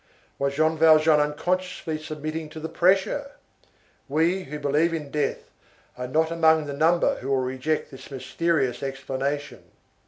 Was Jean Valjean unconsciously submitting to the pressure? We who believe in death, are not among the number who will reject this mysterious explanation.